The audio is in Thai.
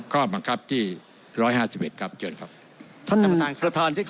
ข้อบังคับที่ร้อยห้าสิบเอ็ดครับเชิญครับท่านประธานที่ขอ